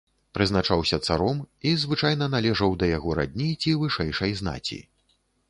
Прызначаўся царом і звычайна належаў да яго радні ці вышэйшай знаці.